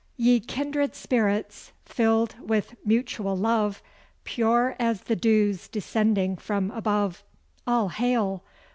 Ye kindred spirits, filled with mutual love, Pure as the dews descending from above, All hail!